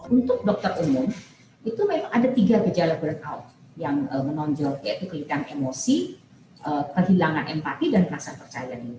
untuk dokter umum itu memang ada tiga gejala burnout yang menonjol yaitu kelelihan emosi kehilangan empati dan penasar percayaan